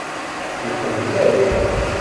Fukkent-t akk.